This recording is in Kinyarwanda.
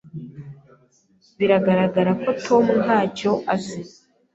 Biragaragara ko Tom ntacyo azi.